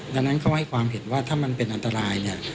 ดังนั้นเขาให้ความเห็นว่าถ้ามันเป็นอันตรายเนี่ย